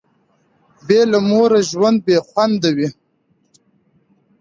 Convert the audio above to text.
بي له موره ژوند بي خونده وي